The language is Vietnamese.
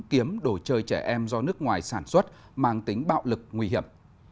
kiếm đồ chơi trẻ em do nước ngoài sản xuất mang tính bạo lực nguy hiểm